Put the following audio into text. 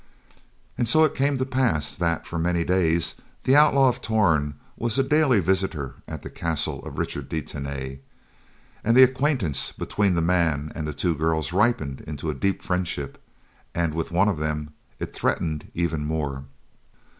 And so it came to pass that, for many days, the Outlaw of Torn was a daily visitor at the castle of Richard de Tany, and the acquaintance between the man and the two girls ripened into a deep friendship, and with one of them, it threatened even more.